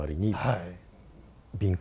はい。